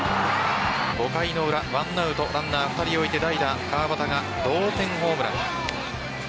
５回の裏ランナー２人置いて代打・川端が同点ホームラン。